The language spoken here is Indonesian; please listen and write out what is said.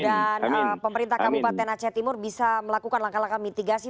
dan pemerintah kabupaten aceh timur bisa melakukan langkah langkah mitigasi